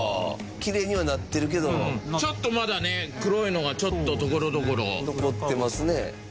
きれいにはなってるけどちょっとまだね黒いのがちょっとところどころ残ってますね